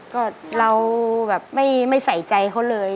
ก็เราแบบไม่ใส่ใจเขาเลย